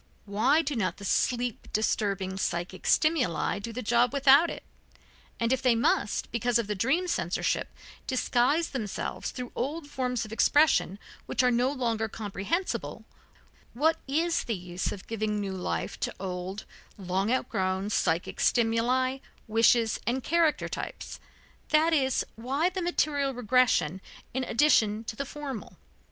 Why do not the sleep disturbing psychic stimuli do the job without it? And if they must, because of the dream censorship, disguise themselves through old forms of expression which are no longer comprehensible, what is the use of giving new life to old, long outgrown psychic stimuli, wishes and character types, that is, why the material regression in addition to the formal?